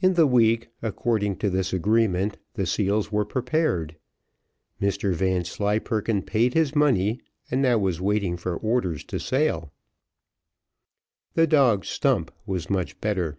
In the week, according to the agreement, the seals were prepared. Mr Vanslyperken paid his money, and now was waiting for orders to sail. The dog's stump was much better.